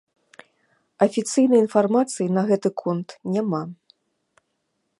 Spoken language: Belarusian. Афіцыйнай інфармацыі на гэты конт няма.